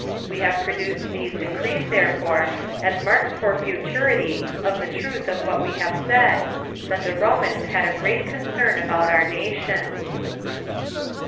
We have produced these decrees, therefore, as marks for futurity of the truth of what we have said, that the Romans had a great concern about our nation.